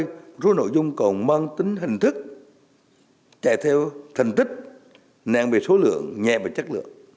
ở một số nơi số nội dung còn mang tính hình thức chạy theo thành tích nạn về số lượng nhẹ về chất lượng